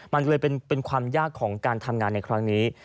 มันเลยเป็นความยากของการทำงานในครั้งนี้